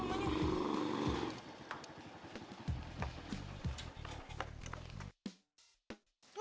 lama banget sih serem lagi rumahnya